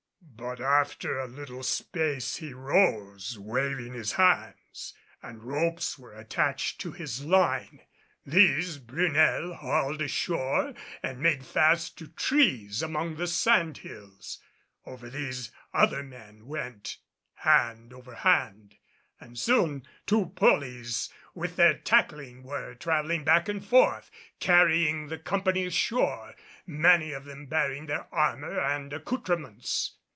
But after a little space he rose, waving his hands, and ropes were attached to his line. These Brunel hauled ashore and made fast to trees among the sand hills. Over these other men went, hand over hand; and soon two pollys with their tackling were traveling back and forth carrying the company ashore, many of them bearing their armor and accoutrements.